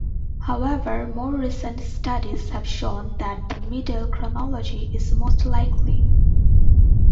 However, more recent studies have shown that the Middle Chronology is most likely.